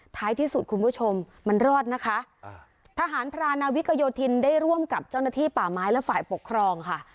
ท้ายที่สุดคุณผู้ชมมันรอดนะคะทหารพรานาวิกโยธินได้ร่วมกับเจ้าหน้าที่ป่าไม้และฝ่ายปกครองค่ะ